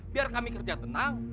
biar kami kerja tenang